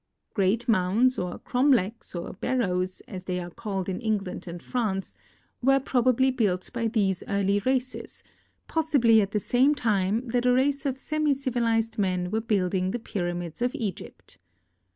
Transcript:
Great mounds, or cromlechs or barrows, as they are called in England and France, were probably built by these early races, possibly at the same time that a race of semicivilized men were building the pyramids of Egypt.